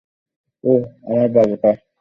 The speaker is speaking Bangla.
ওহ, আমার বাবুটা!